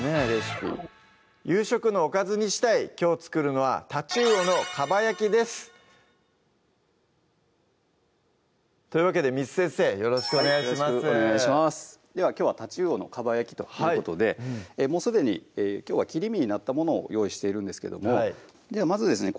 夕食のおかずにしたいきょう作るのは「タチウオのかばやき」ですというわけで簾先生よろしくお願いしますではきょうは「タチウオのかばやき」ということですでにきょうは切り身になったものを用意しているんですけどもではまずですね